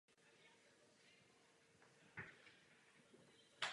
Mohou se vyskytovat i v planktonu.